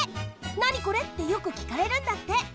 「なにこれ？」ってよくきかれるんだって。